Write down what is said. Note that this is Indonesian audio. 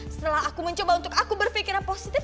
setelah aku mencoba untuk aku berpikiran positif